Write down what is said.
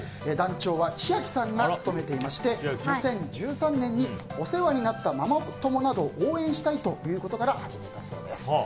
団長は千秋さんが務めていまして２０１３年にお世話になったママ友などを応援したいということから始めたそうです。